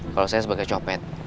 kalau saya sebagai copet